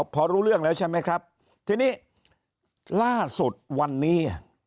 พอรู้เรื่องแล้วใช่ไหมครับทีนี้ล่าสุดวันนี้